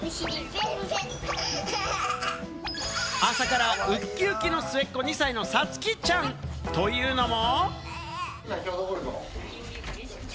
朝からウッキウキの末っ子、２歳のさつきちゃん。というのも。